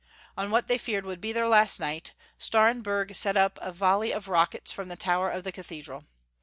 On what they feared would be their last night, Starenburg sent up a volley of rockets from the tower of the Cathedral.